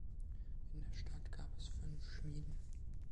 In der Stadt gab es fünf Schmieden.